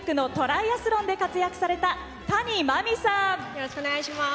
よろしくお願いします。